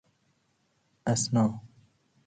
اثنا